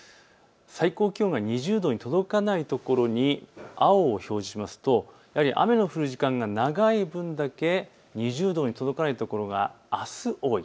最高気温が２０度に届かない所に青を表示しますとやはり雨の降る時間が長い分だけ２０度に届かない所が、あす多い。